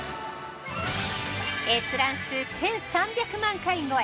閲覧数１３００万回超え！